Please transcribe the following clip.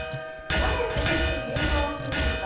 なぜ激しくけんかをしていたのか。